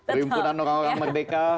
perimpunan orang orang merdeka